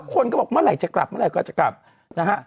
คนก็บอกเมื่อไหร่จะกลับเมื่อไหร่ก็จะกลับนะฮะ